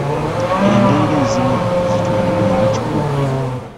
Embeera ezimu tezitwalibwa nga kikulu.